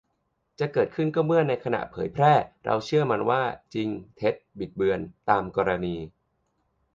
จะเกิดขึ้นก็เมื่อในขณะเผยแพร่เราเชื่อว่ามัน จริง เท็จ บิดเบือน ตามกรณี